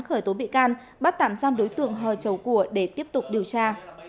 khởi tố bị can bắt tạm giam đối tượng hờ chầu cùa để tiếp tục điều tra